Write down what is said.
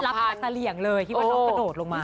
สาหรับตัวสาเหรี่ยงเลยคิดว่าพี่น้องกระโดดลงมา